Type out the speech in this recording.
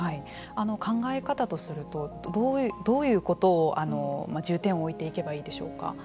考え方とするとどういうことを重点を置いていけばいいでしょうか。